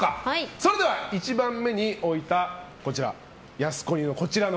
それでは１番目に置いたやす子似のこちら。